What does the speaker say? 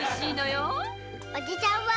おじちゃんは？